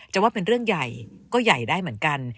ว่าเป็นเรื่องใหญ่ก็ใหญ่ได้เหมือนกัน